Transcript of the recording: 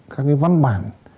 các cái văn bản